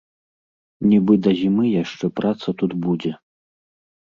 Нібы да зімы яшчэ праца тут будзе.